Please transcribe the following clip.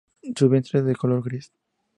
Su vientre es de color gris.